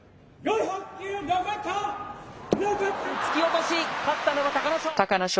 突き落とし、勝ったのは隆の勝。